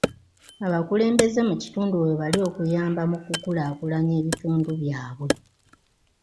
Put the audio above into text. Abakulembeze mu kitundu weebali okuyamba mu kukulaakulanya ebitundu byabwe.